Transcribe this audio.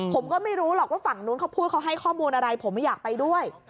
ผมก็ไม่รู้หรอกว่าฝั่งนู้นเขาพูดเขาให้ข้อมูลอะไรผมไม่อยากไปด้วย